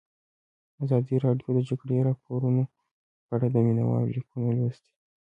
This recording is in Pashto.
ازادي راډیو د د جګړې راپورونه په اړه د مینه والو لیکونه لوستي.